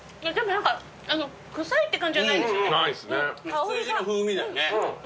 羊の風味だよね。